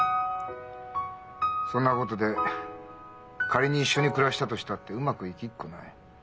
そんなことで仮に一緒に暮らしたとしたってうまくいきっこない。